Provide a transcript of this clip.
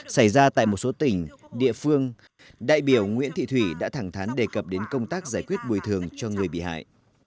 xảy ra tại một số tỉnh địa phương đại biểu nguyễn thị thủy đã thẳng thán đề cập đến công tác giải quyết bồi thường cho người bị hại